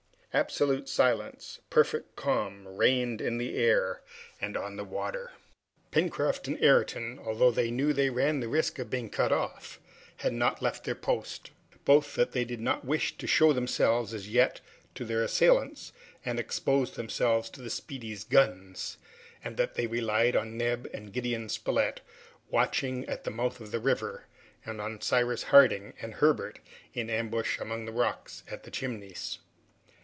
Absolute silence, perfect calm reigned in the air and on the water. Pencroft and Ayrton, although they knew they ran the risk of being cut off, had not left their post, both that they did not wish to show themselves as yet to their assailants, and expose themselves to the "Speedy's" guns, and that they relied on Neb and Gideon Spilett, watching at the mouth of the river, and on Cyrus Harding and Herbert, in ambush among the rocks at the Chimneys.